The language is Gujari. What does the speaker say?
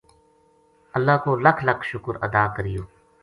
اللہ کو لکھ لکھ شکر ادا کریو